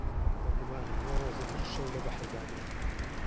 بە گومانم نۆ ڕۆژ و هەشت شەو لە بەحردا بووین